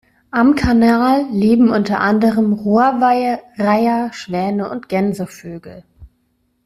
Am Kanal leben unter anderem Rohrweihe, Reiher, Schwäne und Gänsevögel.